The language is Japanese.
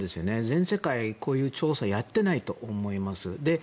全世界、こういう調査はやってないと思います。